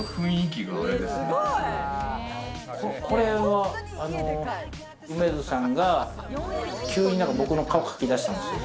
これは楳図さんが急に何か僕の顔描き出したんですよ。